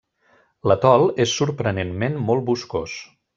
L'atol és sorprenentment molt boscós.